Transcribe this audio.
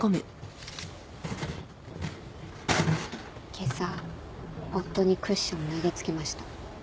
けさ夫にクッション投げ付けました。